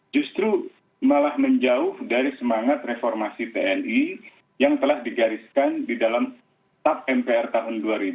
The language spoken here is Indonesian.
justru malah menjauh dari semangat reformasi tni yang telah digariskan di dalam tap mpr tahun dua ribu dua